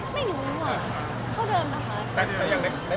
ไม่รู้หรอ